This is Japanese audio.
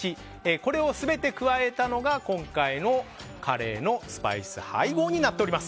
これを全て加えたのが今回のカレーのスパイス配合です。